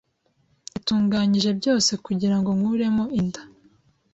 yatunganyije byose kugirango nkuremo inda.